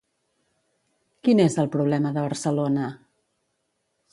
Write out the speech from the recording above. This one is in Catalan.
Quin és el problema de Barcelona?